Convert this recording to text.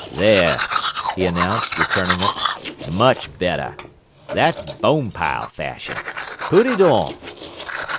"There," he announced, returning it, "much better. That's Bonepile fashion. Put it on."